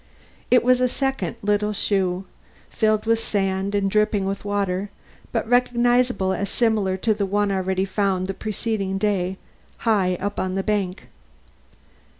It was a second little shoe filled with sand and dripping with water, but recognizable as similar to the one already found on the preceding day high up on the bank.